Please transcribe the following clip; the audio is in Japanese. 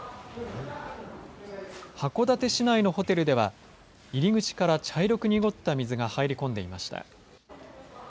函館市内のホテルでは入り口から茶色く濁った水が入り込んでいました。